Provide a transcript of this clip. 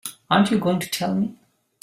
Aren't you going to tell me?